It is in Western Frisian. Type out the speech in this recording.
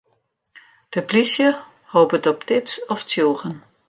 De polysje hopet op tips of tsjûgen.